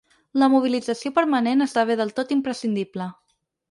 La mobilització permanent esdevé del tot imprescindible.